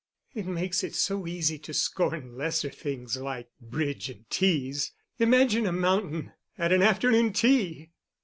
It makes it so easy to scorn lesser things—like bridge and teas. Imagine a mountain at an afternoon tea!"